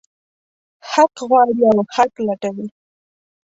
حق غواړي او حق لټوي.